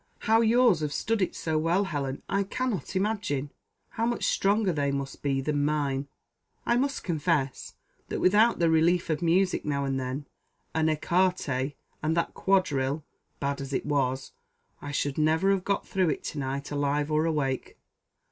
How yours have stood it so well, Helen, I cannot imagine! how much stronger they must be than mine. I must confess, that, without the relief of music now and then, and ecarté, and that quadrille, bad as it was, I should never have got through it to night alive or awake.